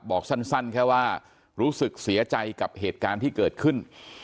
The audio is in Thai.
บอกสั้นแค่ว่ารู้สึกเสียใจกับเหตุการณ์ที่เกิดขึ้น